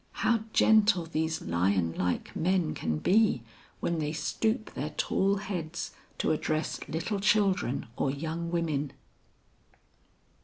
How gentle these lion like men can be when they stoop their tall heads to address little children or young women!"